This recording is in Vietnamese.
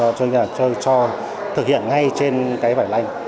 sau đó chúng tôi vẽ một hai lần sau cho thực hiện ngay trên cái vải lanh